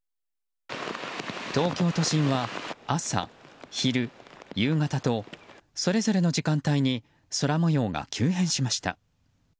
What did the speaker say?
東京都心は朝、昼、夕方とそれぞれの時間帯に空模様が急変しました。